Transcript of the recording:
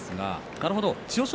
なるほど、千代翔